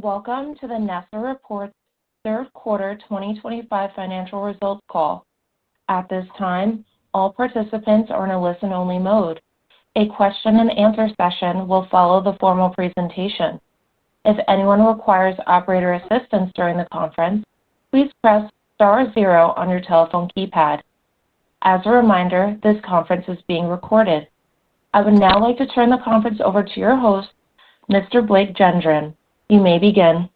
Welcome to the National Energy Services Reunited third quarter 2025 financial results call. At this time, all participants are in a listen-only mode. A question-and-answer session will follow the formal presentation. If anyone requires operator assistance during the conference, please press star zero on your telephone keypad. As a reminder, this conference is being recorded. I would now like to turn the conference over to your host, Mr. Blake Gendron. You may begin.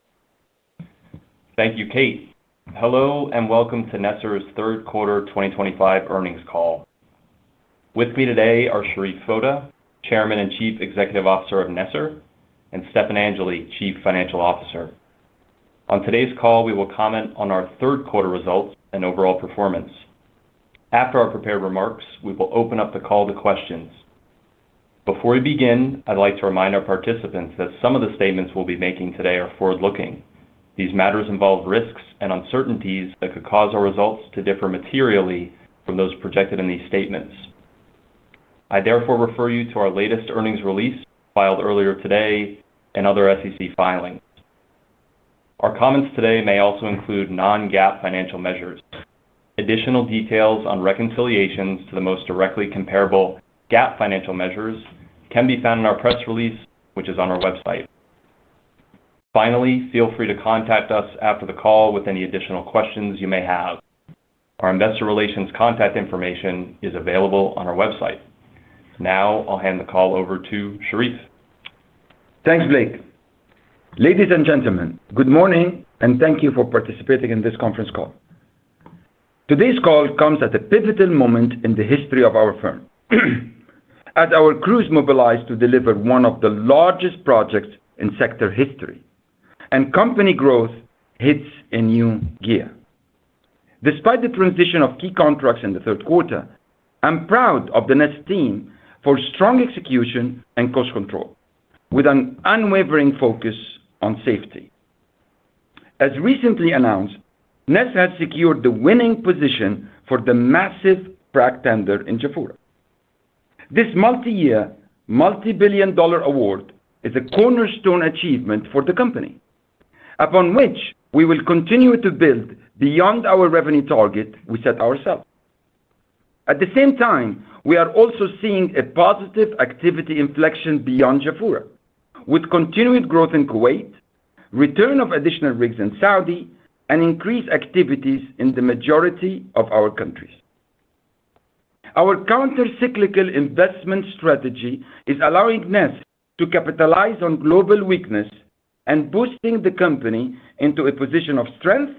Thank you, Kate. Hello and welcome to NESR's third quarter 2025 earnings call. With me today are Sherif Foda, Chairman and Chief Executive Officer of NESR, and Stefan Angeli, Chief Financial Officer. On today's call, we will comment on our third quarter results and overall performance. After our prepared remarks, we will open up the call to questions. Before we begin, I'd like to remind our participants that some of the statements we'll be making today are forward-looking. These matters involve risks and uncertainties that could cause our results to differ materially from those projected in these statements. I therefore refer you to our latest earnings release filed earlier today and other SEC filings. Our comments today may also include Non-GAAP financial measures. Additional details on reconciliations to the most directly comparable GAAP financial measures can be found in our press release, which is on our website. Finally, feel free to contact us after the call with any additional questions you may have. Our investor relations contact information is available on our website. Now, I'll hand the call over to Sherif. Thanks, Blake. Ladies and gentlemen, good morning and thank you for participating in this conference call. Today's call comes at a pivotal moment in the history of our firm, as our crews mobilize to deliver one of the largest projects in sector history, and company growth hits a new gear. Despite the transition of key contracts in the third quarter, I'm proud of the NESR team for strong execution and cost control, with an unwavering focus on safety. As recently announced, NESR has secured the winning position for the massive frac tender in Jafurah. This multi-year, multi-billion dollar award is a cornerstone achievement for the company, upon which we will continue to build beyond our revenue target we set ourselves. At the same time, we are also seeing a positive activity inflection beyond Jafurah, with continued growth in Kuwait, return of additional rigs in Saudi, and increased activities in the majority of our countries. Our countercyclical investment strategy is allowing NESR to capitalize on global weakness and boosting the company into a position of strength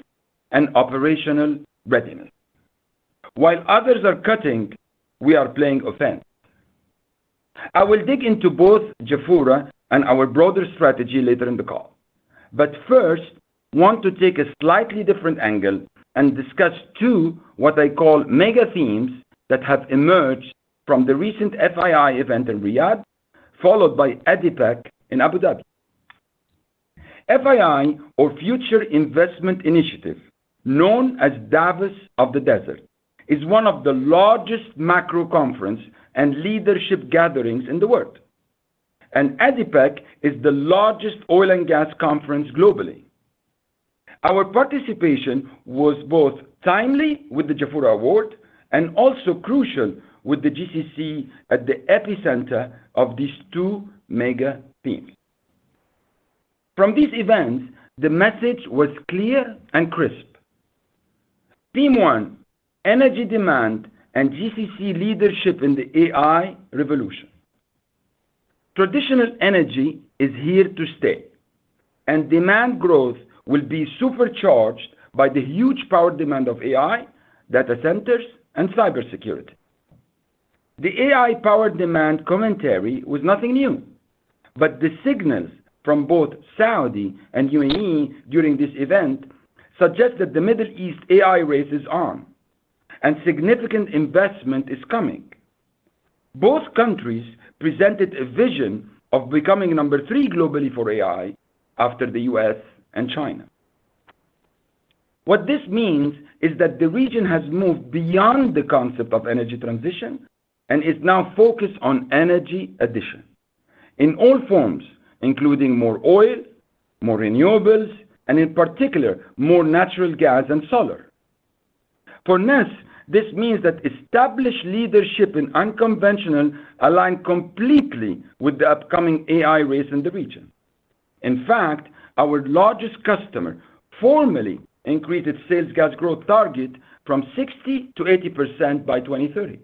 and operational readiness. While others are cutting, we are playing offense. I will dig into both Jafurah and our broader strategy later in the call, but first want to take a slightly different angle and discuss two what I call mega themes that have emerged from the recent FII event in Riyadh, followed by ADIPEC in Abu Dhabi. FII, or Future Investment Initiative, known as Davos of the Desert, is one of the largest macro conferences and leadership gatherings in the world, and ADIPEC is the largest oil and gas conference globally. Our participation was both timely with the Jafurah Award and also crucial with the GCC at the epicenter of these two mega themes. From these events, the message was clear and crisp. Theme one: Energy Demand and GCC Leadership in the AI Revolution. Traditional energy is here to stay, and demand growth will be supercharged by the huge power demand of AI, data centers, and cybersecurity. The AI power demand commentary was nothing new, but the signals from both Saudi and UAE during this event suggest that the Middle East AI race is on and significant investment is coming. Both countries presented a vision of becoming number three globally for AI after the U.S. and China. What this means is that the region has moved beyond the concept of energy transition and is now focused on energy addition in all forms, including more oil, more renewables, and in particular, more natural gas and solar. For NESR, this means that established leadership in unconventional aligns completely with the upcoming AI race in the region. In fact, our largest customer formally increased its sales gas growth target from 60% to 80% by 2030.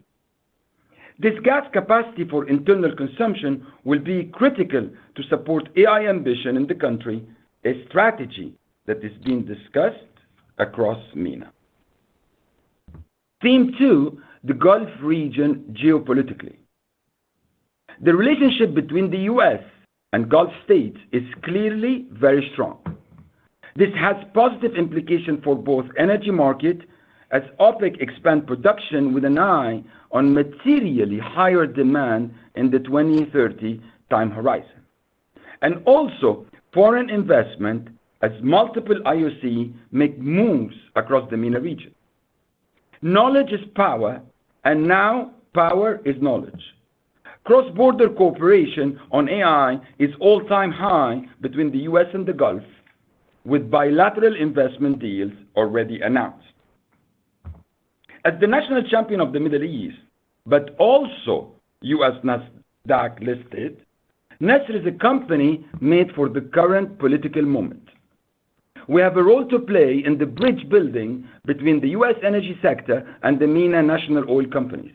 This gas capacity for internal consumption will be critical to support AI ambition in the country, a strategy that is being discussed across MENA. Theme two: The Gulf Region Geopolitically. The relationship between the U.S. and Gulf states is clearly very strong. This has positive implications for both energy markets as OPEC expands production with an eye on materially higher demand in the 2030 time horizon, and also foreign investment as multiple IOCs make moves across the MENA region. Knowledge is power, and now power is knowledge. Cross-border cooperation on AI is all-time high between the U.S. and the Gulf, with bilateral investment deals already announced. As the national champion of the Middle East, but also U.S. NASDAQ-listed, NESR is a company made for the current political moment. We have a role to play in the bridge building between the U.S. energy sector and the MENA National Oil Companies.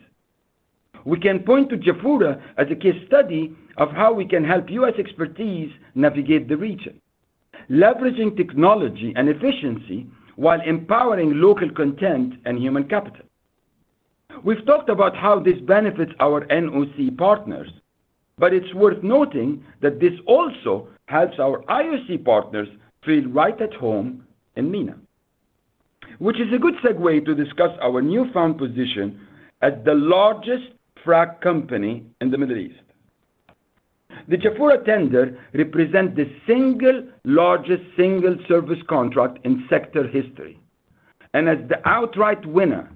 We can point to Jafurah as a case study of how we can help U.S. expertise navigate the region, leveraging technology and efficiency while empowering local content and human capital. We've talked about how this benefits our NOC partners, but it's worth noting that this also helps our IOC partners feel right at home in MENA, which is a good segue to discuss our newfound position as the largest frac company in the Middle East. The Jafurah tender represents the single largest single-service contract in sector history, and as the outright winner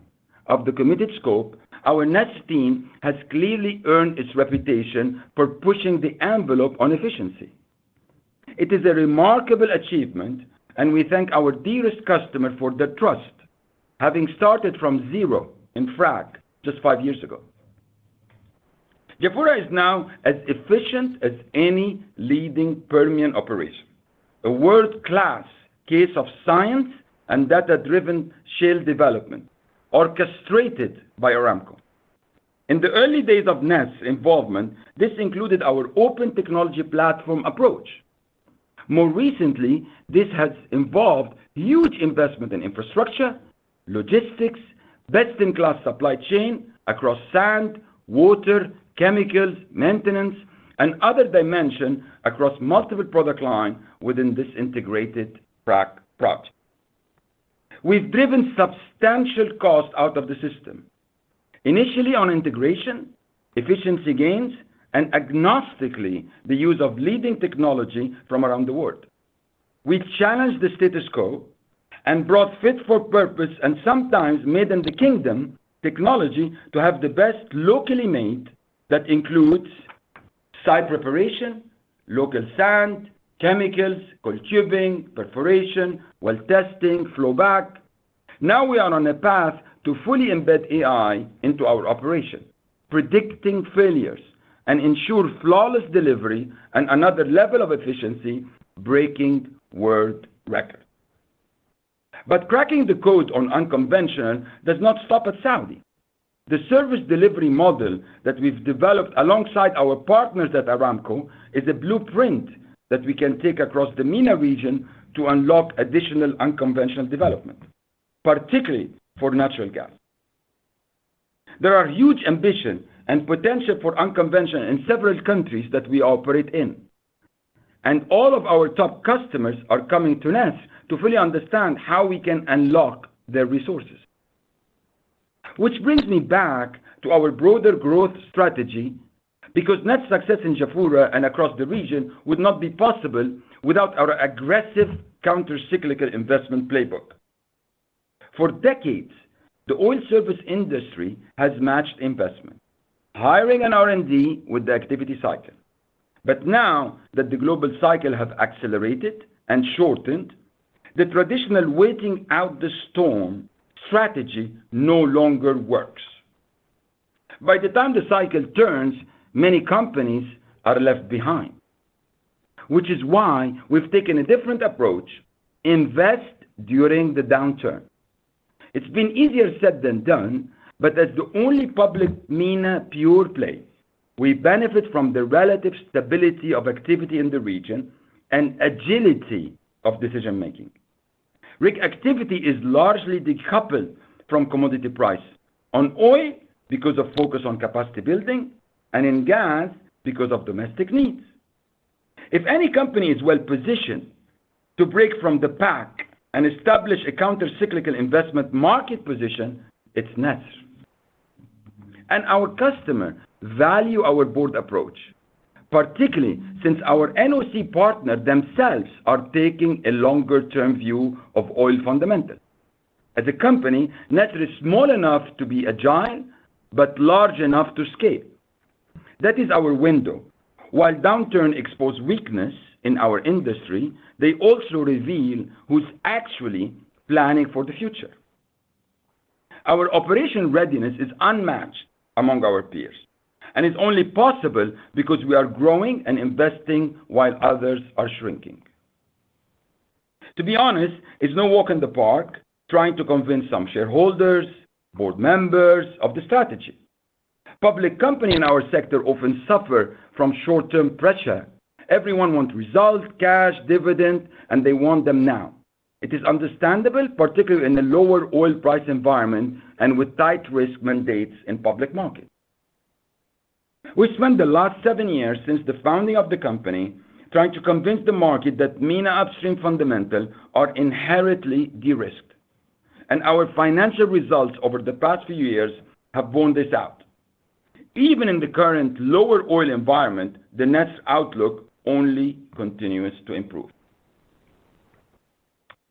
of the committed scope, our NESR team has clearly earned its reputation for pushing the envelope on efficiency. It is a remarkable achievement, and we thank our dearest customer for their trust, having started from zero in frac just five years ago. Jafurah is now as efficient as any leading Permian operation, a world-class case of science and data-driven shale development orchestrated by Aramco. In the early days of NESR's involvement, this included our open technology platform approach. More recently, this has involved huge investment in infrastructure, logistics, best-in-class supply chain across sand, water, chemicals, maintenance, and other dimensions across multiple product lines within this integrated frac project. We've driven substantial cost out of the system, initially on integration, efficiency gains, and agnostically the use of leading technology from around the world. We challenged the status quo and brought fit for purpose and sometimes made in the kingdom technology to have the best locally made that includes site preparation, local sand, chemicals, coiled tubing, perforation, well testing, flowback. Now we are on a path to fully embed AI into our operation, predicting failures, and ensure flawless delivery and another level of efficiency, breaking world records. Cracking the code on unconventional does not stop at Saudi. The service delivery model that we've developed alongside our partners at Aramco is a blueprint that we can take across the MENA region to unlock additional unconventional development, particularly for natural gas. There are huge ambitions and potential for unconventional in several countries that we operate in, and all of our top customers are coming to NESR to fully understand how we can unlock their resources, which brings me back to our broader growth strategy because NESR's success in Jafurah and across the region would not be possible without our aggressive countercyclical investment playbook. For decades, the oil service industry has matched investment, hiring and R&D with the activity cycle. Now that the global cycle has accelerated and shortened, the traditional waiting-out-the-storm strategy no longer works. By the time the cycle turns, many companies are left behind, which is why we've taken a different approach: invest during the downturn. It's been easier said than done, but as the only public MENA pure play, we benefit from the relative stability of activity in the region and agility of decision-making. Rig activity is largely decoupled from commodity prices on oil because of focus on capacity building, and in gas because of domestic needs. If any company is well-positioned to break from the pack and establish a countercyclical investment market position, it's NESR. Our customers value our broad approach, particularly since our NOC partners themselves are taking a longer-term view of oil fundamentals. As a company, NESR is small enough to be agile but large enough to scale. That is our window. While downturns expose weaknesses in our industry, they also reveal who's actually planning for the future. Our operational readiness is unmatched among our peers and is only possible because we are growing and investing while others are shrinking. To be honest, it's no walk in the park trying to convince some shareholders, board members of the strategy. Public companies in our sector often suffer from short-term pressure. Everyone wants results, cash, dividends, and they want them now. It is understandable, particularly in a lower oil price environment and with tight risk mandates in public markets. We spent the last seven years since the founding of the company trying to convince the market that MENA upstream fundamentals are inherently de-risked, and our financial results over the past few years have borne this out. Even in the current lower oil environment, the NESR outlook only continues to improve.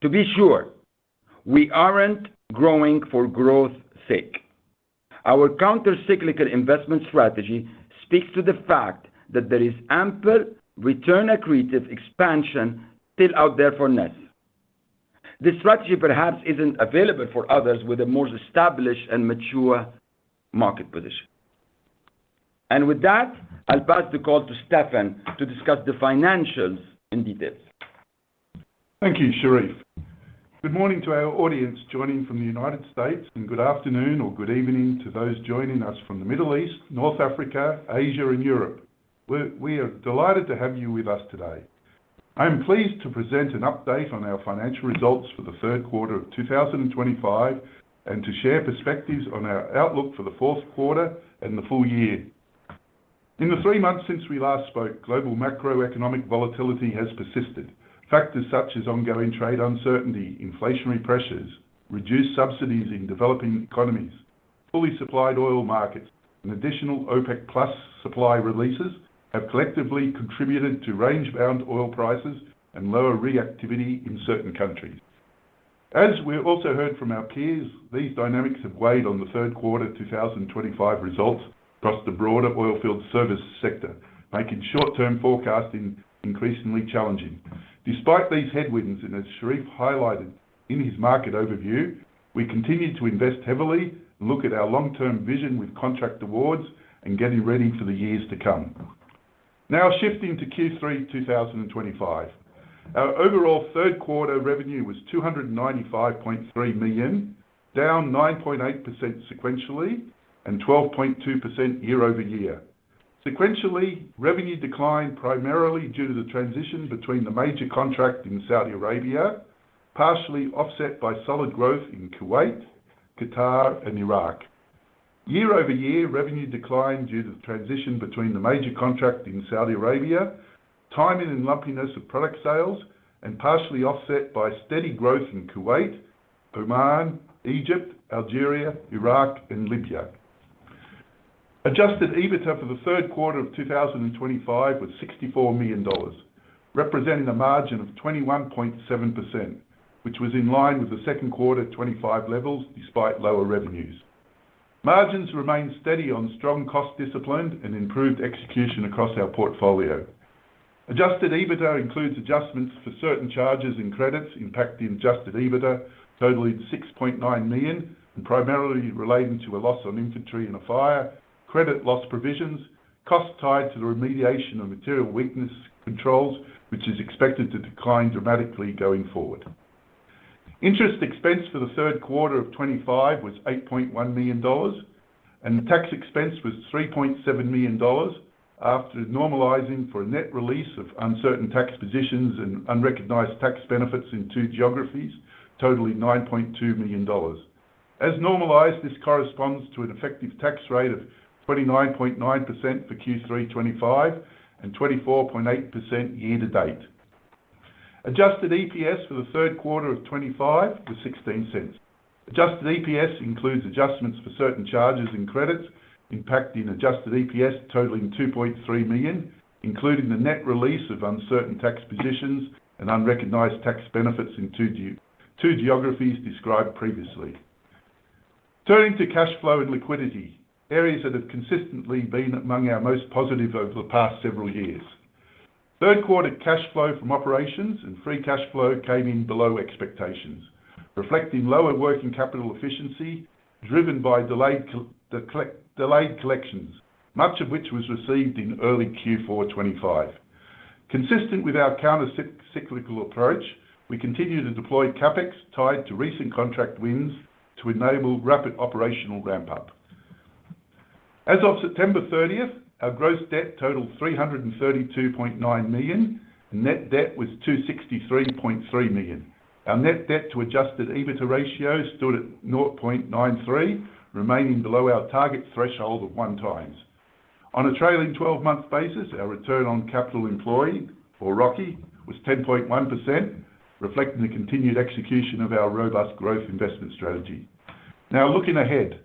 To be sure, we aren't growing for growth's sake. Our countercyclical investment strategy speaks to the fact that there is ample return-accretive expansion still out there for NESR. This strategy perhaps isn't available for others with a more established and mature market position. With that, I'll pass the call to Stefan to discuss the financials in detail. Thank you, Sherif. Good morning to our audience joining from the United States, and good afternoon or good evening to those joining us from the Middle East, North Africa, Asia, and Europe. We are delighted to have you with us today. I'm pleased to present an update on our financial results for the third quarter of 2025 and to share perspectives on our outlook for the fourth quarter and the full year. In the three months since we last spoke, global macroeconomic volatility has persisted. Factors such as ongoing trade uncertainty, inflationary pressures, reduced subsidies in developing economies, fully supplied oil markets, and additional OPEC Plus supply releases have collectively contributed to range-bound oil prices and lower reactivity in certain countries. As we also heard from our peers, these dynamics have weighed on the third quarter 2025 results across the broader oilfield service sector, making short-term forecasting increasingly challenging. Despite these headwinds, as Sherif highlighted in his market overview, we continue to invest heavily, look at our long-term vision with contract awards, and get ready for the years to come. Now shifting to Q3 2025, our overall third quarter revenue was $295.3 million, down 9.8% sequentially and 12.2% year-over-year. Sequentially, revenue declined primarily due to the transition between the major contract in Saudi Arabia, partially offset by solid growth in Kuwait, Qatar, and Iraq. Year-over-year revenue declined due to the transition between the major contract in Saudi Arabia, timing and lumpiness of product sales, and partially offset by steady growth in Kuwait, Oman, Egypt, Algeria, Iraq, and Libya. Adjusted EBITDA for the third quarter of 2025 was $64 million, representing a margin of 21.7%, which was in line with the second quarter 2025 levels despite lower revenues. Margins remained steady on strong cost discipline and improved execution across our portfolio. Adjusted EBITDA includes adjustments for certain charges and credits impacting Adjusted EBITDA, totaling $6.9 million, primarily relating to a loss on inventory and a fire, credit loss provisions, costs tied to the remediation of material weakness controls, which is expected to decline dramatically going forward. Interest expense for the third quarter of 2025 was $8.1 million, and tax expense was $3.7 million after normalizing for a net release of uncertain tax positions and unrecognized tax benefits in two geographies, totaling $9.2 million. As normalized, this corresponds to an effective tax rate of 29.9% for Q3 2025 and 24.8% year-to-date. Adjusted EPS for the third quarter of 2025 was $0.16. Adjusted EPS includes adjustments for certain charges and credits impacting adjusted EPS, totaling $2.3 million, including the net release of uncertain tax positions and unrecognized tax benefits in two geographies described previously. Turning to cash flow and liquidity, areas that have consistently been among our most positive over the past several years. Third quarter cash flow from operations and free cash flow came in below expectations, reflecting lower working capital efficiency driven by delayed collections, much of which was received in early Q4 2025. Consistent with our countercyclical approach, we continue to deploy CapEx tied to recent contract wins to enable rapid operational ramp-up. As of September 30, our gross debt totaled $332.9 million, and net debt was $263.3 million. Our net debt-to-Adjusted EBITDA ratio stood at 0.93, remaining below our target threshold of one times. On a trailing 12-month basis, our return on capital employed, or ROCE, was 10.1%, reflecting the continued execution of our robust growth investment strategy. Now looking ahead,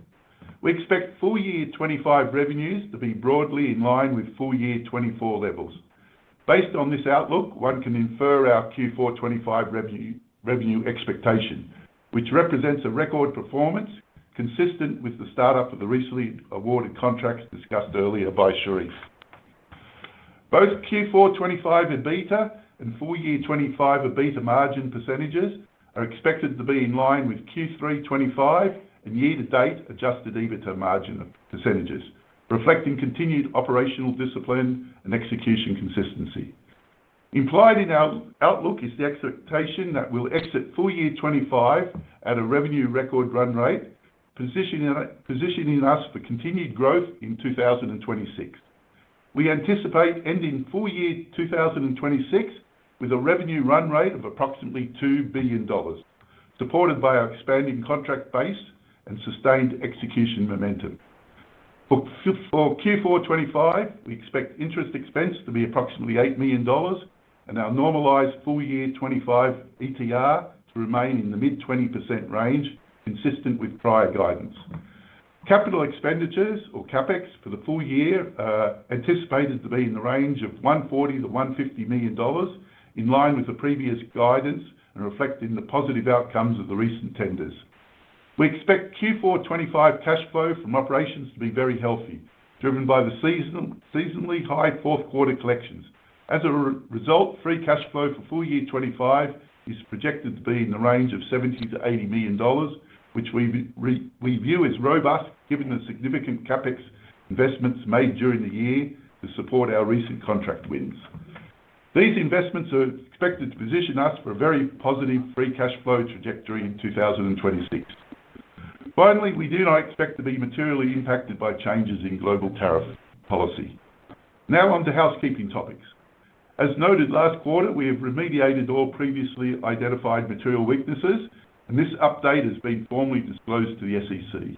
we expect full year 2025 revenues to be broadly in line with full year 2024 levels. Based on this outlook, one can infer our Q4 2025 revenue expectation, which represents a record performance consistent with the startup of the recently awarded contracts discussed earlier by Sherif. Both Q4 2025 EBITDA and full year 2025 EBITDA margin percentages are expected to be in line with Q3 2025 and year-to-date Adjusted EBITDA margin percentages, reflecting continued operational discipline and execution consistency. Implied in our outlook is the expectation that we'll exit full year 2025 at a revenue record run rate, positioning us for continued growth in 2026. We anticipate ending full year 2026 with a revenue run rate of approximately $2 billion, supported by our expanding contract base and sustained execution momentum. For Q4 2025, we expect interest expense to be approximately $8 million, and our normalized full year 2025 ETR to remain in the mid-20% range, consistent with prior guidance. Capital expenditures, or CapEx, for the full year are anticipated to be in the range of $140 million-$150 million, in line with the previous guidance and reflecting the positive outcomes of the recent tenders. We expect Q4 2025 cash flow from operations to be very healthy, driven by the seasonally high fourth quarter collections. As a result, free cash flow for full year 2025 is projected to be in the range of $70 million-$80 million, which we view as robust given the significant CapEx investments made during the year to support our recent contract wins. These investments are expected to position us for a very positive free cash flow trajectory in 2026. Finally, we do not expect to be materially impacted by changes in global tariff policy. Now on to housekeeping topics. As noted last quarter, we have remediated all previously identified material weaknesses, and this update has been formally disclosed to the SEC.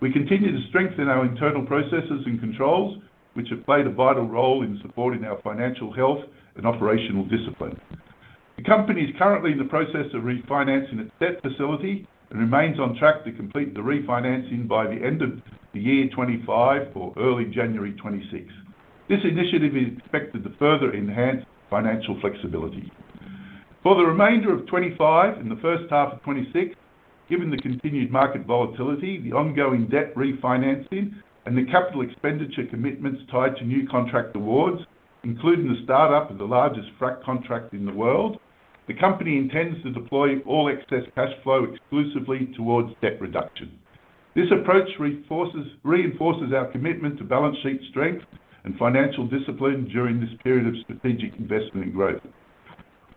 We continue to strengthen our internal processes and controls, which have played a vital role in supporting our financial health and operational discipline. The company is currently in the process of refinancing its debt facility and remains on track to complete the refinancing by the end of the year 2025 or early January 2026. This initiative is expected to further enhance financial flexibility. For the remainder of 2025 and the first half of 2026, given the continued market volatility, the ongoing debt refinancing, and the capital expenditure commitments tied to new contract awards, including the startup of the largest frac contract in the world, the company intends to deploy all excess cash flow exclusively towards debt reduction. This approach reinforces our commitment to balance sheet strength and financial discipline during this period of strategic investment and growth.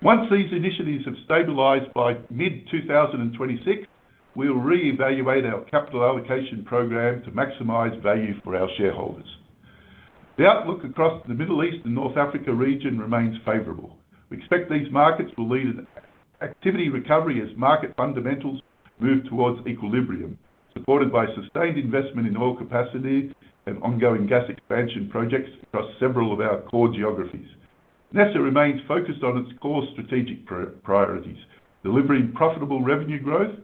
Once these initiatives have stabilized by mid-2026, we will reevaluate our capital allocation program to maximize value for our shareholders. The outlook across the Middle East and North Africa region remains favorable. We expect these markets will lead to activity recovery as market fundamentals move towards equilibrium, supported by sustained investment in oil capacity and ongoing gas expansion projects across several of our core geographies. NESR remains focused on its core strategic priorities, delivering profitable revenue growth,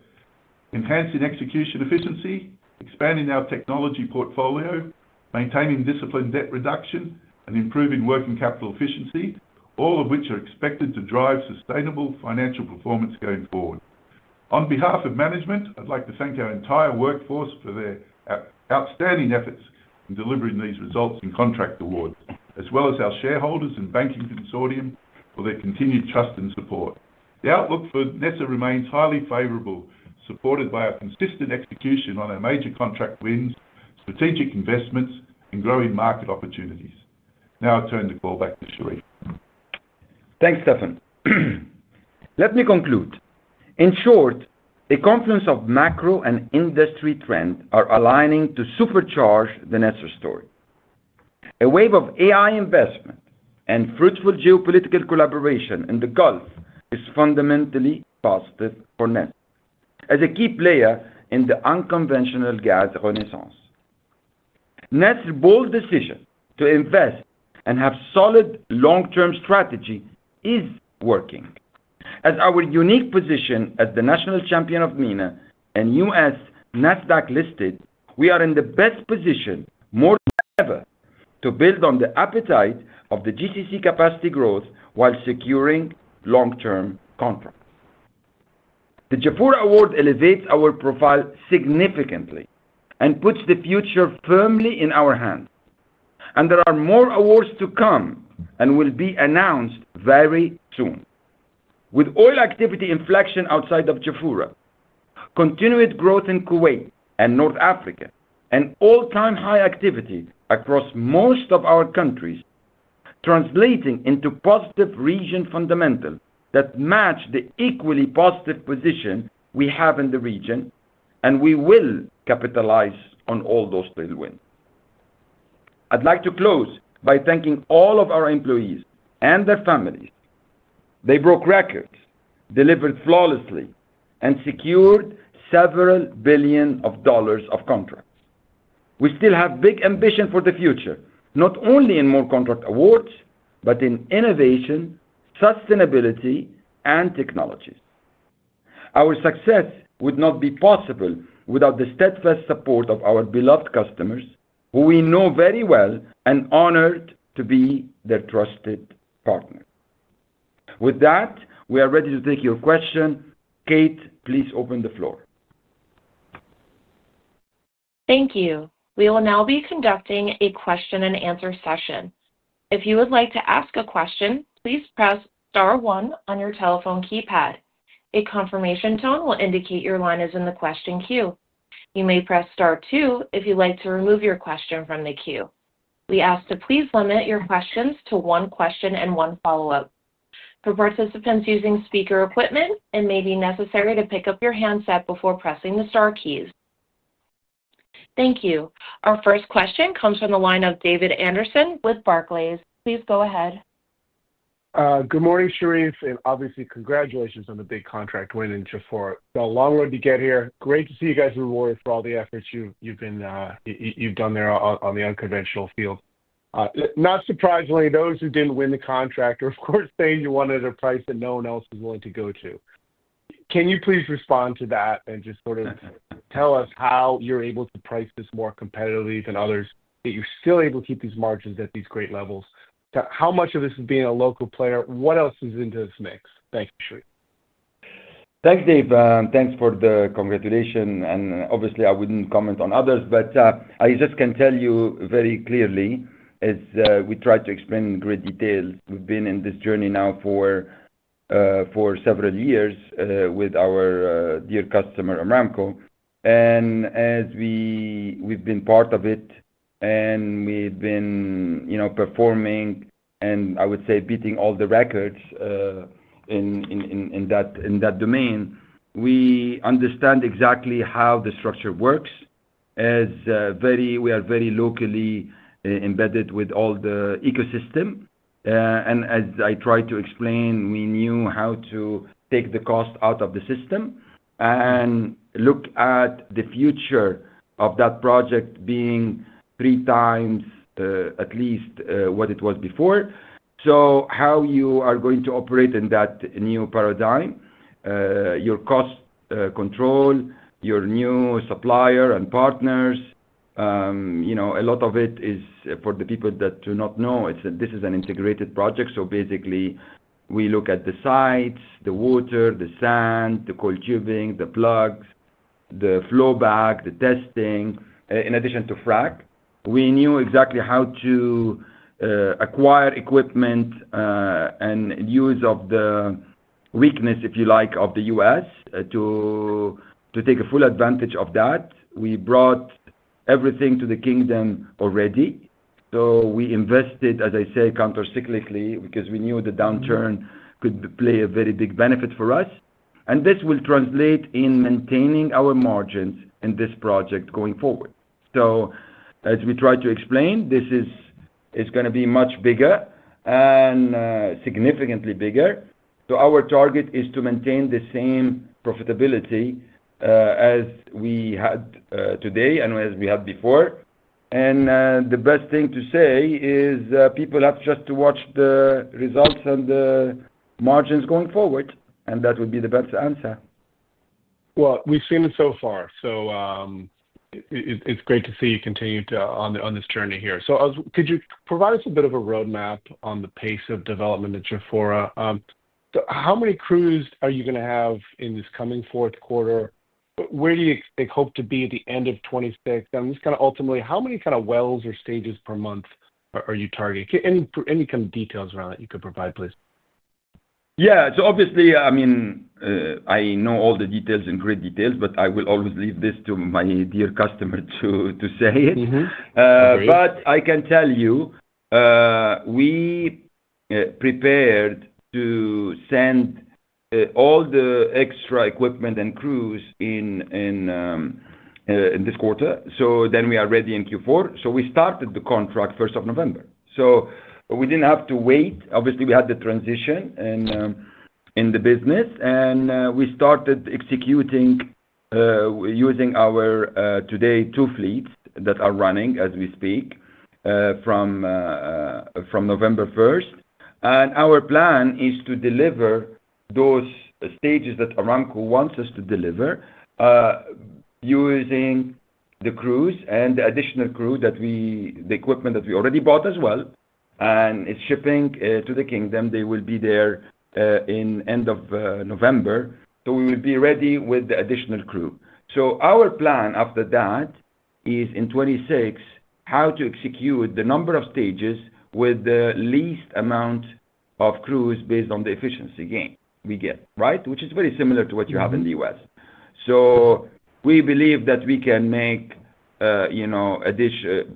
enhancing execution efficiency, expanding our technology portfolio, maintaining disciplined debt reduction, and improving working capital efficiency, all of which are expected to drive sustainable financial performance going forward. On behalf of management, I'd like to thank our entire workforce for their outstanding efforts in delivering these results in contract awards, as well as our shareholders and banking consortium for their continued trust and support. The outlook for NESR remains highly favorable, supported by our consistent execution on our major contract wins, strategic investments, and growing market opportunities. Now I turn the call back to Sherif. Thanks, Stefan. Let me conclude. In short, a confluence of macro and industry trends is aligning to supercharge the NESR story. A wave of AI investment and fruitful geopolitical collaboration in the Gulf is fundamentally positive for NESR as a key player in the unconventional gas renaissance. NESR's bold decision to invest and have a solid long-term strategy is working. As our unique position as the national champion of MENA and U.S. NASDAQ-listed, we are in the best position, more than ever, to build on the appetite of the GCC capacity growth while securing long-term contracts. The Jafurah Award elevates our profile significantly and puts the future firmly in our hands. There are more awards to come and will be announced very soon. With oil activity inflection outside of Jafurah, continued growth in Kuwait and North Africa, and all-time high activity across most of our countries translating into positive region fundamentals that match the equally positive position we have in the region, and we will capitalize on all those tailwinds. I'd like to close by thanking all of our employees and their families. They broke records, delivered flawlessly, and secured several billion dollars of contracts. We still have big ambition for the future, not only in more contract awards, but in innovation, sustainability, and technologies. Our success would not be possible without the steadfast support of our beloved customers, who we know very well and honor to be their trusted partner. With that, we are ready to take your question. Kate, please open the floor. Thank you. We will now be conducting a question-and-answer session. If you would like to ask a question, please press star one on your telephone keypad. A confirmation tone will indicate your line is in the question queue. You may press star two if you'd like to remove your question from the queue. We ask to please limit your questions to one question and one follow-up. For participants using speaker equipment, it may be necessary to pick up your handset before pressing the Star keys. Thank you. Our first question comes from the line of David Anderson with Barclays. Please go ahead. Good morning, Sherif, and obviously, congratulations on the big contract win in Jafurah. It's a long road to get here. Great to see you guys rewarded for all the efforts you've done there on the unconventional field. Not surprisingly, those who didn't win the contract are, of course, saying you wanted a price that no one else was willing to go to. Can you please respond to that and just sort of tell us how you're able to price this more competitively than others, that you're still able to keep these margins at these great levels? How much of this is being a local player? What else is into this mix? Thank you, Sherif. Thanks, Dave. Thanks for the congratulations. Obviously, I would not comment on others, but I just can tell you very clearly, as we try to explain in great detail, we have been in this journey now for several years with our dear customer, Aramco. As we have been part of it and we have been performing, and I would say beating all the records in that domain, we understand exactly how the structure works. We are very locally embedded with all the ecosystem. As I tried to explain, we knew how to take the cost out of the system and look at the future of that project being three times at least what it was before. How you are going to operate in that new paradigm, your cost control, your new supplier and partners, a lot of it is for the people that do not know. This is an integrated project. Basically, we look at the sites, the water, the sand, the coiled tubing, the plugs, the flowback, the testing, in addition to frac. We knew exactly how to acquire equipment and use the weakness, if you like, of the U.S. to take full advantage of that. We brought everything to the kingdom already. We invested, as I say, countercyclically because we knew the downturn could play a very big benefit for us. This will translate in maintaining our margins in this project going forward. As we try to explain, this is going to be much bigger and significantly bigger. Our target is to maintain the same profitability as we had today and as we had before. The best thing to say is people have just to watch the results and the margins going forward, and that would be the best answer. It is great to see you continued on this journey here. Could you provide us a bit of a roadmap on the pace of development at Jafurah? How many crews are you going to have in this coming fourth quarter? Where do you hope to be at the end of 2026? Just kind of ultimately, how many kind of wells or stages per month are you targeting? Any kind of details around that you could provide, please? Yeah. Obviously, I mean, I know all the details and great details, but I will always leave this to my dear customer to say it. I can tell you we prepared to send all the extra equipment and crews in this quarter. We are ready in Q4. We started the contract 1st of November. We did not have to wait. Obviously, we had the transition in the business, and we started executing using our today two fleets that are running as we speak from November 1st. Our plan is to deliver those stages that Aramco wants us to deliver using the crews and the additional crew that we, the equipment that we already bought as well and is shipping to the kingdom. They will be there in the end of November. We will be ready with the additional crew. Our plan after that is in 2026 how to execute the number of stages with the least amount of crews based on the efficiency gain we get, right? Which is very similar to what you have in the U.S. We believe that we can make a dish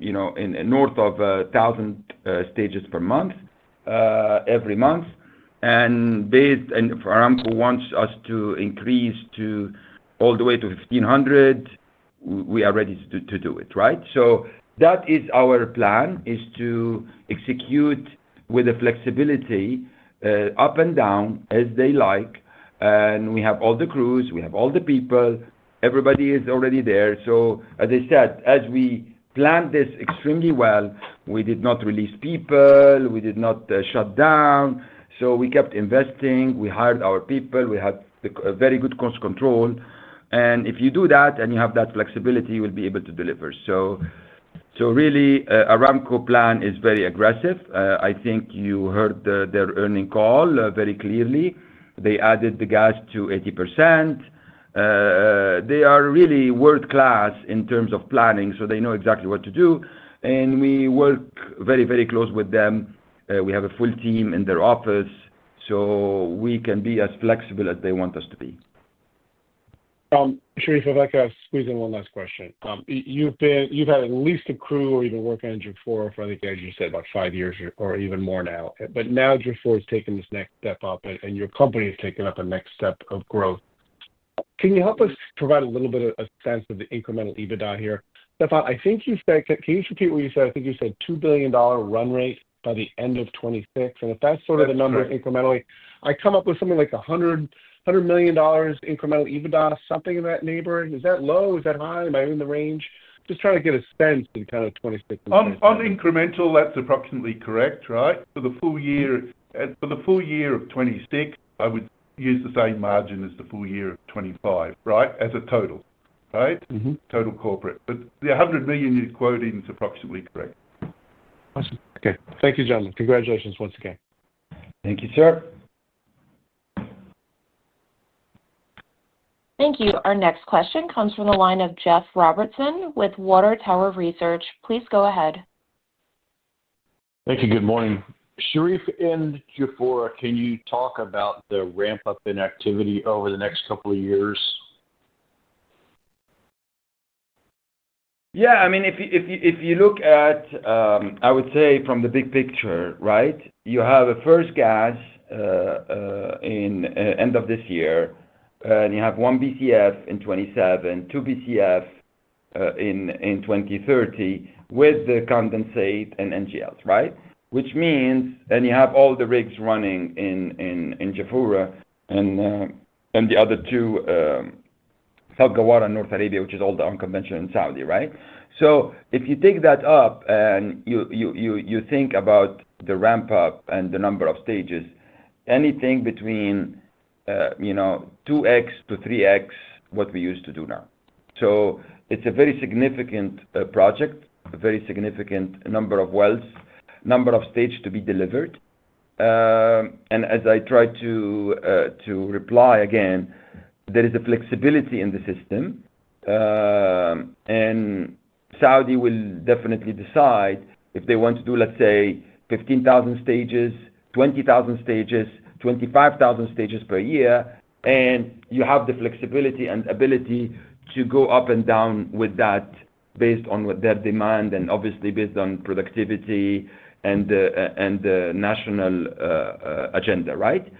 north of 1,000 stages per month every month. Aramco wants us to increase to all the way to 1,500. We are ready to do it, right? That is our plan, to execute with the flexibility up and down as they like. We have all the crews. We have all the people. Everybody is already there. As I said, as we planned this extremely well, we did not release people. We did not shut down. We kept investing. We hired our people. We had very good cost control. If you do that and you have that flexibility, you will be able to deliver. Really, Aramco plan is very aggressive. I think you heard their earning call very clearly. They added the gas to 80%. They are really world-class in terms of planning, so they know exactly what to do. We work very, very close with them. We have a full team in their office, so we can be as flexible as they want us to be. Sherif, I've got to squeeze in one last question. You've had at least a crew or even work on Jafurah for, I think, as you said, about five years or even more now. But now Jafurah has taken this next step up, and your company has taken up a next step of growth. Can you help us provide a little bit of a sense of the incremental EBITDA here? Stefan, I think you said can you repeat what you said? I think you said $2 billion run rate by the end of 2026. And if that's sort of the number incrementally, I come up with something like $100 million incremental EBITDA, something in that neighborhood. Is that low? Is that high? Am I in the range? Just trying to get a sense of the kind of 2026 incremental. On incremental, that's approximately correct, right? For the full year of 2026, I would use the same margin as the full year of 2025, right, as a total, right? Total corporate. But the $100 million you quoted is approximately correct. Awesome. Okay. Thank you, gentlemen. Congratulations once again. Thank you, sir. Thank you. Our next question comes from the line of Jeff Robertson with Water Tower Research. Please go ahead. Thank you. Good morning. Sherif, in Jafurah, can you talk about the ramp-up in activity over the next couple of years? Yeah. I mean, if you look at, I would say, from the big picture, right, you have a first gas in the end of this year, and you have one BCF in 2027, two BCF in 2030 with the condensate and NGLs, right? Which means you have all the rigs running in Jafurah and the other two, South Ghawar and North Arabia, which is all the unconventional in Saudi, right? If you take that up and you think about the ramp-up and the number of stages, anything between 2x-3x what we used to do now. It is a very significant project, a very significant number of wells, number of stages to be delivered. As I try to reply again, there is a flexibility in the system. Saudi will definitely decide if they want to do, let's say, 15,000 stages, 20,000 stages, 25,000 stages per year. You have the flexibility and ability to go up and down with that based on their demand and obviously based on productivity and the national agenda, right?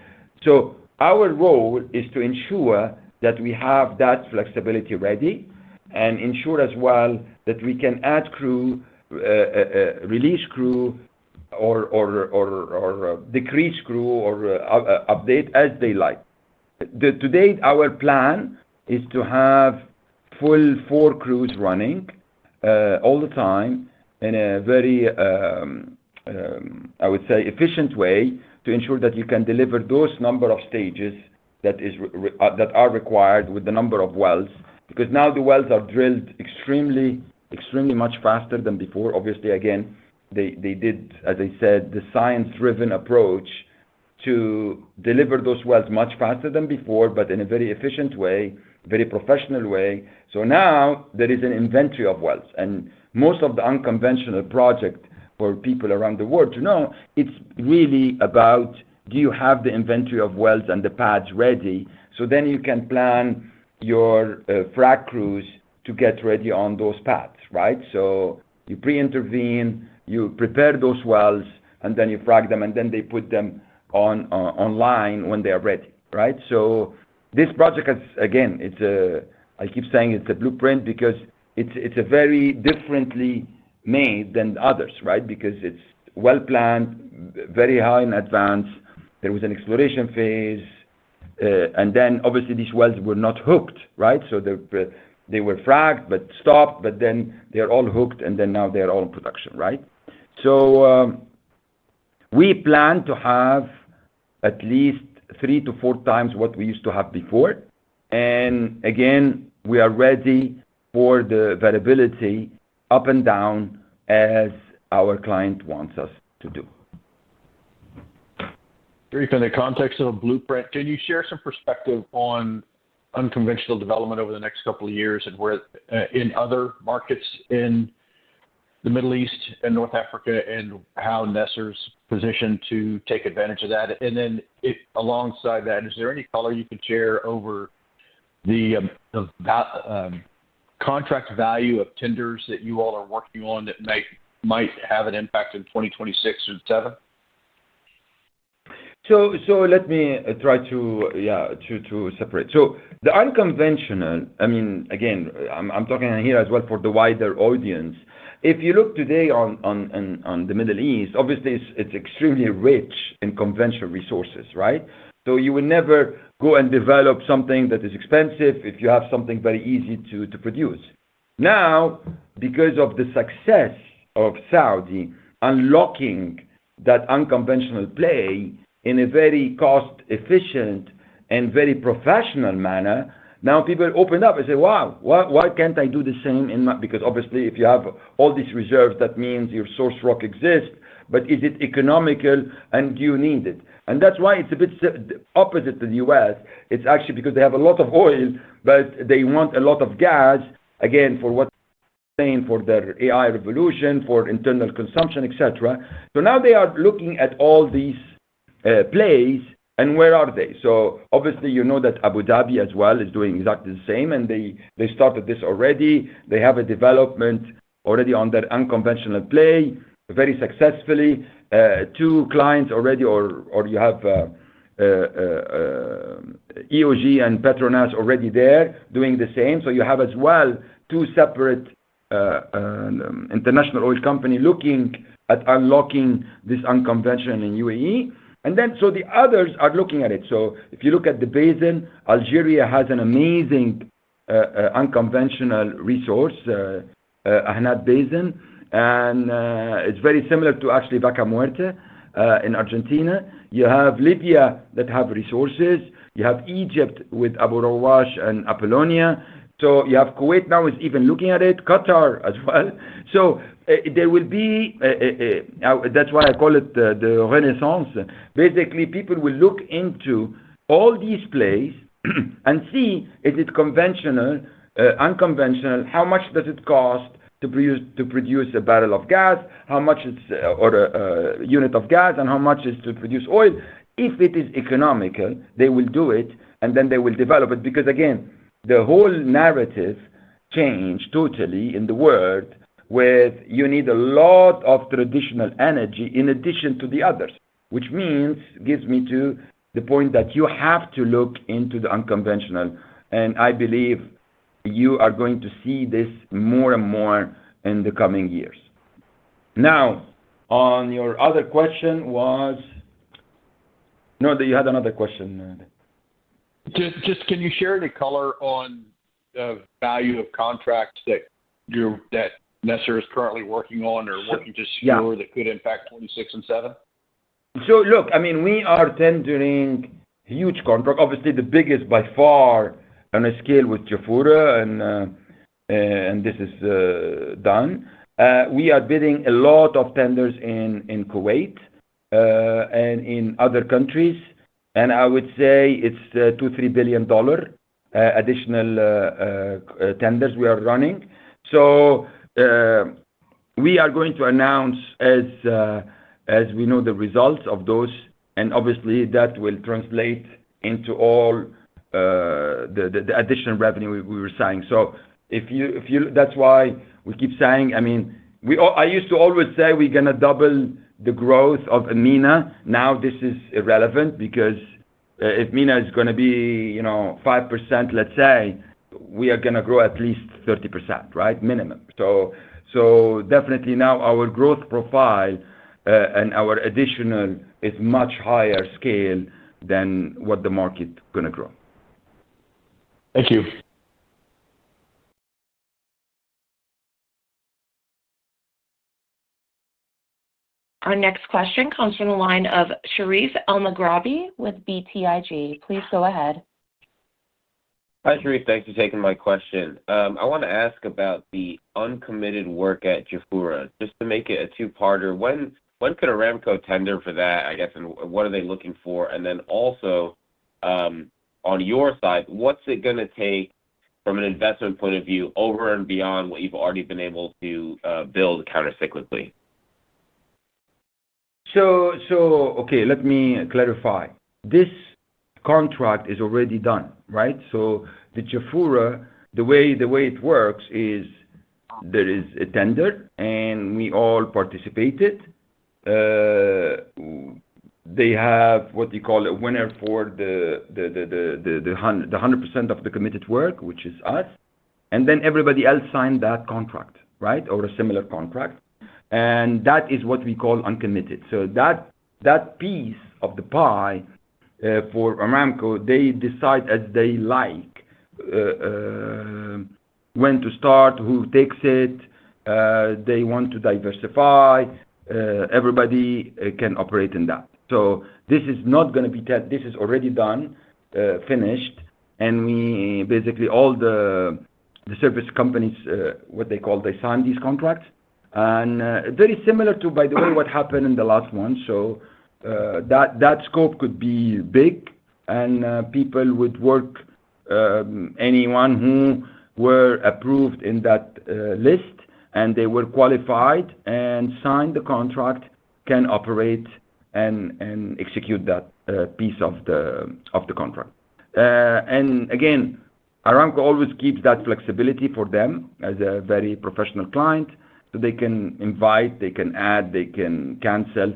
Our role is to ensure that we have that flexibility ready and ensure as well that we can add crew, release crew, or decrease crew, or update as they like. Today, our plan is to have full four crews running all the time in a very, I would say, efficient way to ensure that you can deliver those number of stages that are required with the number of wells because now the wells are drilled extremely, extremely much faster than before. Obviously, again, they did, as I said, the science-driven approach to deliver those wells much faster than before, but in a very efficient way, very professional way. Now there is an inventory of wells. Most of the unconventional project, for people around the world to know, it's really about do you have the inventory of wells and the pads ready? You can plan your frac crews to get ready on those pads, right? You pre-intervene, you prepare those wells, and then you frac them, and then they put them online when they are ready, right? This project has, again, I keep saying it's a blueprint because it's very differently made than others, right? It's well planned, very high in advance. There was an exploration phase. Obviously, these wells were not hooked, right? They were fracked but stopped, but then they're all hooked, and then now they're all in production, right? We plan to have at least three to four times what we used to have before. Again, we are ready for the variability up and down as our client wants us to do. Sherif, in the context of a blueprint, can you share some perspective on unconventional development over the next couple of years and in other markets in the Middle East and North Africa and how NESR's positioned to take advantage of that? Then alongside that, is there any color you could share over the contract value of tenders that you all are working on that might have an impact in 2026 and 2027? Let me try to, yeah, to separate. The unconventional, I mean, again, I'm talking here as well for the wider audience. If you look today on the Middle East, obviously, it's extremely rich in conventional resources, right? You will never go and develop something that is expensive if you have something very easy to produce. Now, because of the success of Saudi unlocking that unconventional play in a very cost-efficient and very professional manner, now people open up and say, "Wow, why can't I do the same?" Because obviously, if you have all these reserves, that means your source rock exists. But is it economical, and do you need it? That's why it's a bit opposite to the U.S.. It's actually because they have a lot of oil, but they want a lot of gas, again, for what they're saying for their AI revolution, for internal consumption, etc. Now they are looking at all these plays, and where are they? Obviously, you know that Abu Dhabi as well is doing exactly the same, and they started this already. They have a development already on their unconventional play very successfully. Two clients already, or you have EOG and Petronas already there doing the same. You have as well two separate international oil companies looking at unlocking this unconventional in UAE. The others are looking at it. If you look at the basin, Algeria has an amazing unconventional resource, Ahnet Basin, and it's very similar to actually Vaca Muerta in Argentina. You have Libya that have resources. You have Egypt with Abu Rawash and Apollonia. You have Kuwait now is even looking at it, Qatar as well. That is why I call it the Renaissance. Basically, people will look into all these plays and see if it is conventional, unconventional, how much does it cost to produce a barrel of gas, how much it is or a unit of gas, and how much is to produce oil. If it is economical, they will do it, and then they will develop it. Because again, the whole narrative changed totally in the world with you need a lot of traditional energy in addition to the others, which means gives me to the point that you have to look into the unconventional. I believe you are going to see this more and more in the coming years. Now, on your other question, was no, you had another question. Just can you share the color on the value of contracts that NESR is currently working on or working to secure that could impact 2026 and 2027? Look, I mean, we are tendering huge contracts. Obviously, the biggest by far on a scale with Jafurah, and this is done. We are bidding a lot of tenders in Kuwait and in other countries. I would say it is $2 billion-$3 billion additional tenders we are running. We are going to announce as we know the results of those. Obviously, that will translate into all the additional revenue we were saying. That is why we keep saying, I mean, I used to always say we are going to double the growth of Emina. Now this is irrelevant because if Emina is going to be 5%, let's say, we are going to grow at least 30%, right? Minimum. Definitely now our growth profile and our additional is much higher scale than what the market is going to grow. Thank you. Our next question comes from the line of Sherif Elmaghrabi with BTIG. Please go ahead. Hi, Sherif. Thanks for taking my question. I want to ask about the uncommitted work at Jafurah. Just to make it a two-parter, when could Aramco tender for that, I guess, and what are they looking for? Also, on your side, what's it going to take from an investment point of view over and beyond what you've already been able to build countercyclically? Okay, let me clarify. This contract is already done, right? The Jafurah, the way it works is there is a tender, and we all participated. They have what you call a winner for the 100% of the committed work, which is us. Then everybody else signed that contract, right, or a similar contract. That is what we call uncommitted. That piece of the pie for Aramco, they decide as they like when to start, who takes it. They want to diversify. Everybody can operate in that. This is not going to be, this is already done, finished. Basically, all the service companies, what they call, they signed these contracts. Very similar to, by the way, what happened in the last one. That scope could be big, and people would work. Anyone who were approved in that list and they were qualified and signed the contract can operate and execute that piece of the contract. Again, Aramco always keeps that flexibility for them as a very professional client, so they can invite, they can add, they can cancel.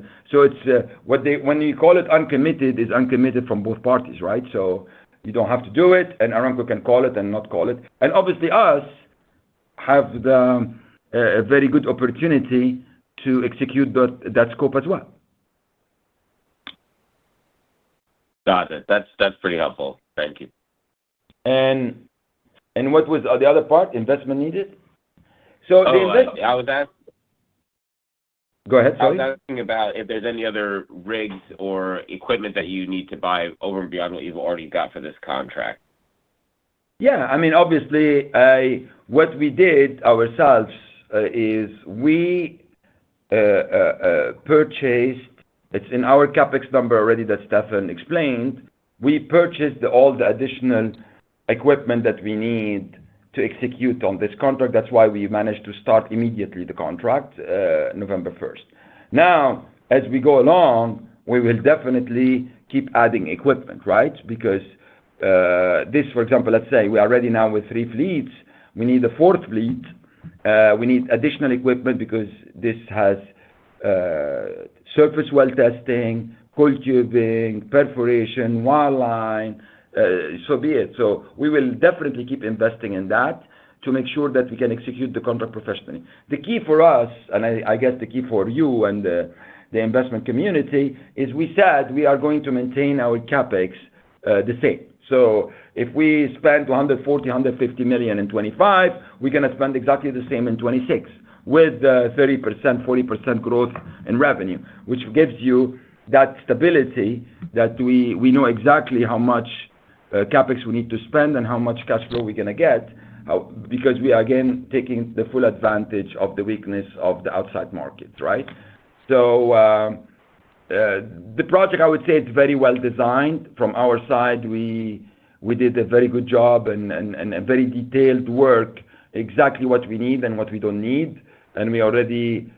When you call it uncommitted, it's uncommitted from both parties, right? You don't have to do it, and Aramco can call it and not call it. Obviously, us have a very good opportunity to execute that scope as well. Got it. That's pretty helpful. Thank you. What was the other part? Investment needed? The investment. I was asked. Go ahead, sorry. I was asking about if there's any other rigs or equipment that you need to buy over and beyond what you've already got for this contract. Yeah. I mean, obviously, what we did ourselves is we purchased, it's in our CapEx number already that Stefan explained. We purchased all the additional equipment that we need to execute on this contract. That's why we managed to start immediately the contract, November 1. Now, as we go along, we will definitely keep adding equipment, right? Because this, for example, let's say we are ready now with three fleets. We need a fourth fleet. We need additional equipment because this has surface well testing, coiled tubing, perforation, wireline, so be it. We will definitely keep investing in that to make sure that we can execute the contract professionally. The key for us, and I guess the key for you and the investment community is we said we are going to maintain our CapEx the same. If we spend $140 million-$150 million in 2025, we're going to spend exactly the same in 2026 with 30%-40% growth in revenue, which gives you that stability that we know exactly how much CapEx we need to spend and how much cash flow we're going to get because we are, again, taking the full advantage of the weakness of the outside markets, right? The project, I would say, is very well designed. From our side, we did a very good job and very detailed work, exactly what we need and what we do not need. We already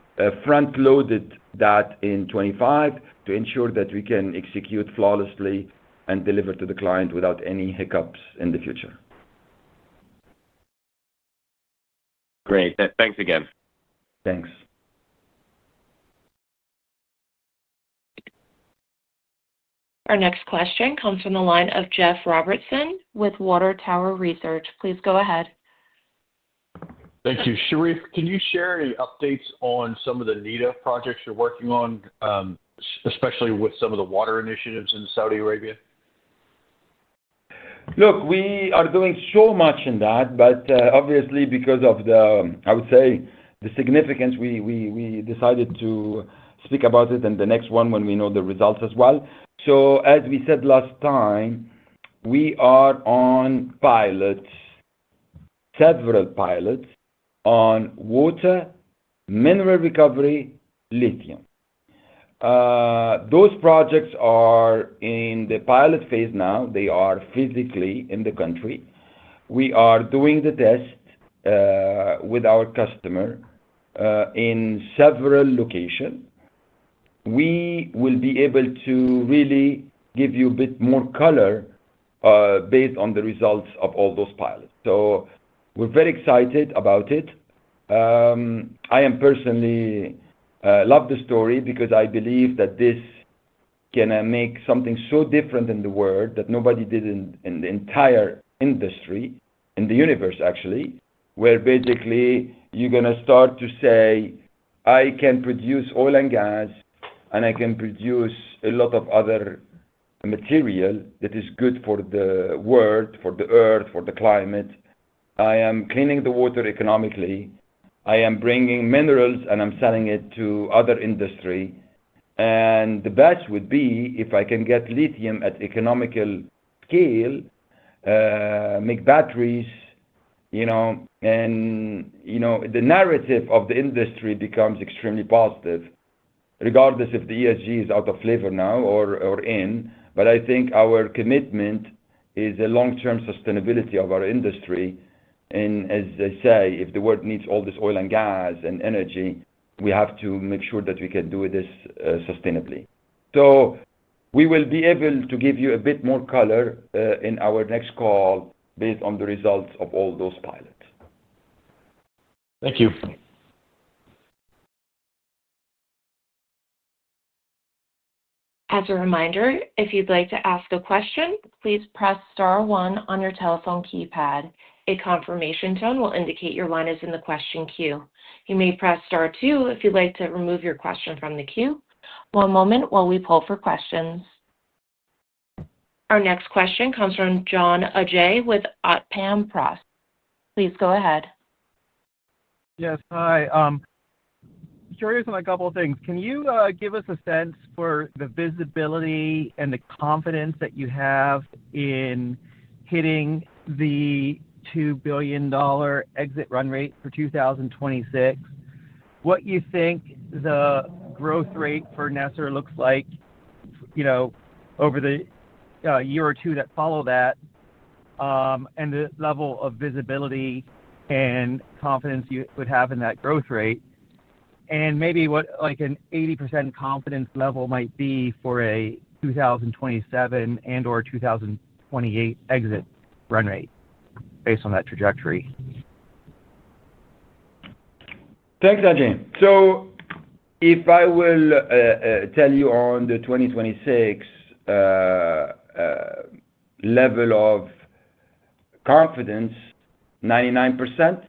front-loaded that in 2025 to ensure that we can execute flawlessly and deliver to the client without any hiccups in the future. Great. Thanks again. Thanks. Our next question comes from the line of Jeff Robertson with Water Tower Research. Please go ahead. Thank you. Sherif, can you share any updates on some of the NEDA projects you're working on, especially with some of the water initiatives in Saudi Arabia? Look, we are doing so much in that, but obviously, because of the, I would say, the significance, we decided to speak about it in the next one when we know the results as well. As we said last time, we are on pilots, several pilots on water, mineral recovery, lithium. Those projects are in the pilot phase now. They are physically in the country. We are doing the test with our customer in several locations. We will be able to really give you a bit more color based on the results of all those pilots. We're very excited about it. I personally love the story because I believe that this can make something so different in the world that nobody did in the entire industry, in the universe, actually, where basically you're going to start to say, "I can produce oil and gas, and I can produce a lot of other material that is good for the world, for the earth, for the climate. I am cleaning the water economically. I am bringing minerals, and I'm selling it to other industry." The best would be if I can get lithium at economical scale, make batteries, and the narrative of the industry becomes extremely positive, regardless if the ESG is out of flavor now or in. I think our commitment is a long-term sustainability of our industry. As they say, if the world needs all this oil and gas and energy, we have to make sure that we can do this sustainably. We will be able to give you a bit more color in our next call based on the results of all those pilots. Thank you. As a reminder, if you'd like to ask a question, please press star one on your telephone keypad. A confirmation tone will indicate your line is in the question queue. You may press star two if you'd like to remove your question from the queue. One moment while we pull for questions. Our next question comes from John Ajay with Occam Crest. Please go ahead. Yes. Hi. Sherif, on a couple of things. Can you give us a sense for the visibility and the confidence that you have in hitting the $2 billion exit run rate for 2026? What do you think the growth rate for NESR looks like over the year or two that follow that, and the level of visibility and confidence you would have in that growth rate? Maybe what an 80% confidence level might be for a 2027 and/or 2028 exit run rate based on that trajectory. Thanks, Ajay. If I will tell you on the 2026 level of confidence, 99%,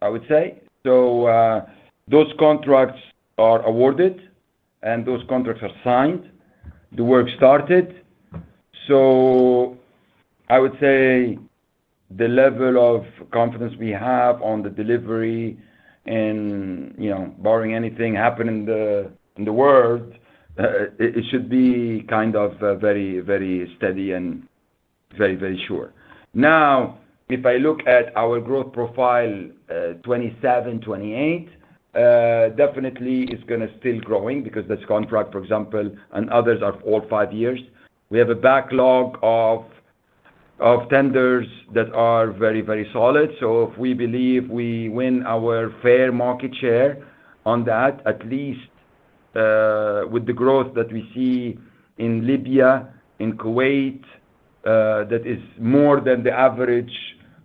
I would say. Those contracts are awarded, and those contracts are signed. The work started. I would say the level of confidence we have on the delivery and, barring anything happen in the world, it should be kind of very, very steady and very, very sure. Now, if I look at our growth profile 2027, 2028, definitely it's going to still growing because that's contract, for example, and others are all five years. We have a backlog of tenders that are very, very solid. If we believe we win our fair market share on that, at least with the growth that we see in Libya, in Kuwait, that is more than the average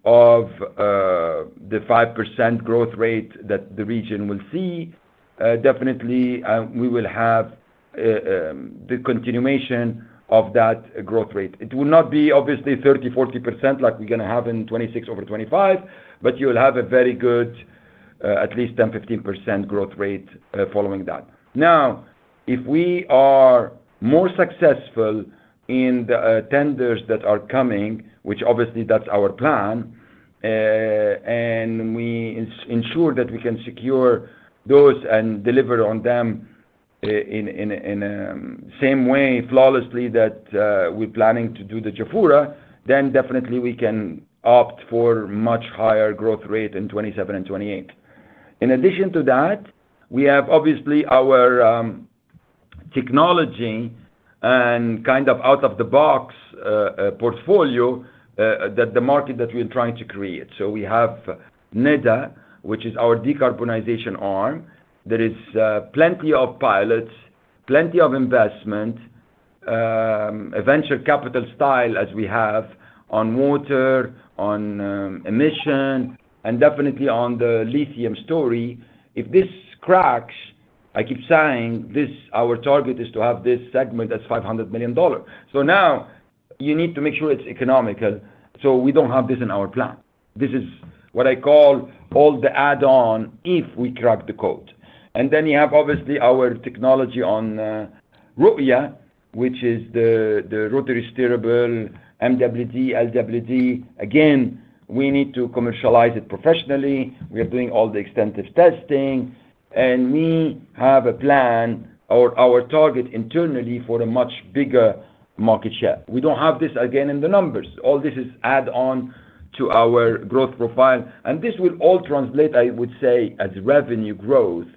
of the 5% growth rate that the region will see, definitely we will have the continuation of that growth rate. It will not be obviously 30%-40% like we're going to have in 2026 over 2025, but you will have a very good, at least 10%-15% growth rate following that. Now, if we are more successful in the tenders that are coming, which obviously that's our plan, and we ensure that we can secure those and deliver on them in the same way flawlessly that we're planning to do the Jafurah, then definitely we can opt for a much higher growth rate in 2027 and 2028. In addition to that, we have obviously our technology and kind of out-of-the-box portfolio that the market that we're trying to create. We have NEDA, which is our decarbonization arm. There is plenty of pilots, plenty of investment, a venture capital style as we have on water, on emission, and definitely on the lithium story. If this cracks, I keep saying our target is to have this segment that's $500 million. Now you need to make sure it's economical. We don't have this in our plan. This is what I call all the add-on if we crack the code. You have obviously our technology on ROIA, which is the rotary steerable MWD, LWD. Again, we need to commercialize it professionally. We are doing all the extensive testing. We have a plan or our target internally for a much bigger market share. We do not have this again in the numbers. All this is add-on to our growth profile. This will all translate, I would say, as revenue growth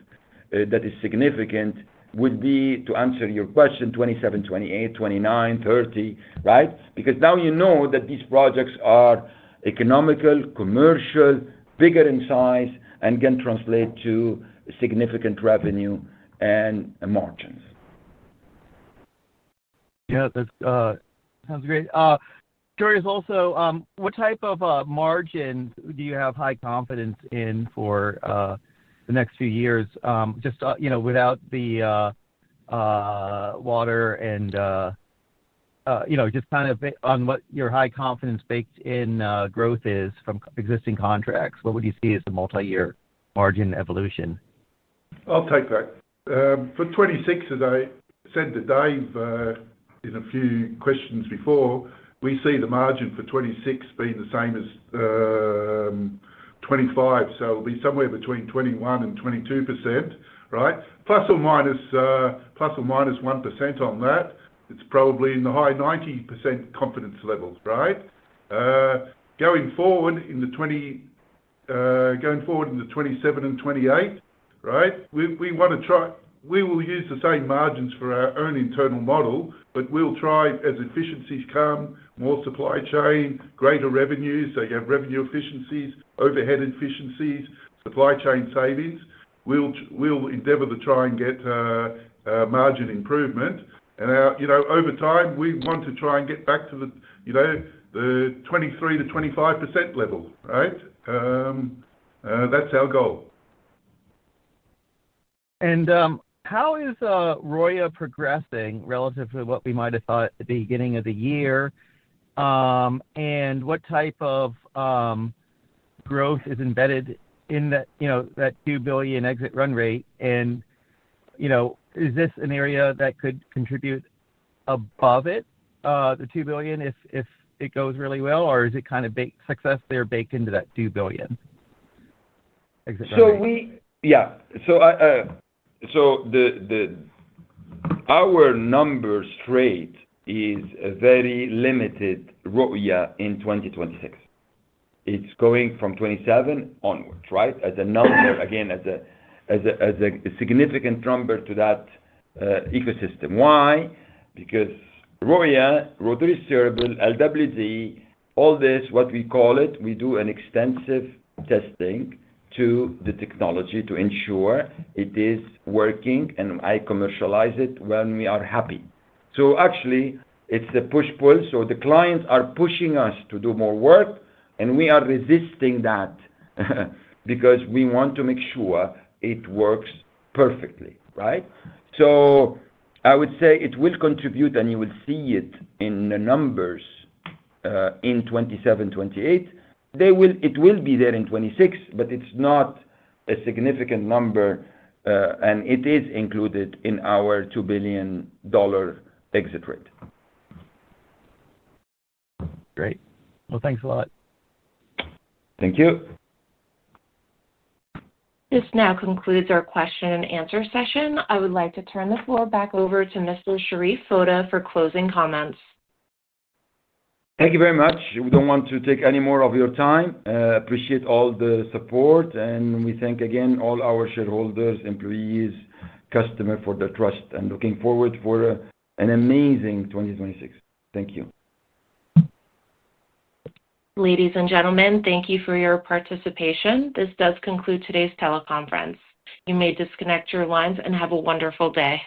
that is significant would be to answer your question, 2027, 2028, 2029, 2030, right? Because now you know that these projects are economical, commercial, bigger in size, and can translate to significant revenue and margins. Yeah. That sounds great. Jerry, also, what type of margin do you have high confidence in for the next few years? Just without the water and just kind of on what your high confidence baked-in growth is from existing contracts, what would you see as the multi-year margin evolution? I'll take that. For 2026, as I said to Dave in a few questions before, we see the margin for 2026 being the same as 2025. So it'll be somewhere between 21%-22%, right? Plus or minus 1% on that, it's probably in the high 90% confidence level, right? Going forward in 2027 and 2028, right? We want to try, we will use the same margins for our own internal model, but we'll try as efficiencies come, more supply chain, greater revenues. So you have revenue efficiencies, overhead efficiencies, supply chain savings. We'll endeavor to try and get margin improvement. And over time, we want to try and get back to the 23%-25% level, right? That's our goal. How is ROIA progressing relative to what we might have thought at the beginning of the year? What type of growth is embedded in that $2 billion exit run rate? Is this an area that could contribute above the $2 billion if it goes really well? Or is it kind of success there baked into that $2 billion exit run rate? Yeah. So our numbers rate is a very limited ROIA in 2026. It's going from 2027 onwards, right? As a number, again, as a significant number to that ecosystem. Why? Because ROIA, rotary steerable, LWD, all this, what we call it, we do an extensive testing to the technology to ensure it is working, and I commercialize it when we are happy. So actually, it's a push-pull. The clients are pushing us to do more work, and we are resisting that because we want to make sure it works perfectly, right? I would say it will contribute, and you will see it in the numbers in 2027, 2028. It will be there in 2026, but it's not a significant number, and it is included in our $2 billion exit rate. Great. Thanks a lot. Thank you. This now concludes our question-and-answer session. I would like to turn the floor back over to Mr. Sherif Foda for closing comments. Thank you very much. We do not want to take any more of your time. Appreciate all the support, and we thank again all our shareholders, employees, customers for their trust, and looking forward for an amazing 2026. Thank you. Ladies and gentlemen, thank you for your participation. This does conclude today's teleconference. You may disconnect your lines and have a wonderful day.